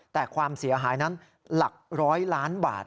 แต่ความเสียหายนั้นหลักร้อยล้านบาท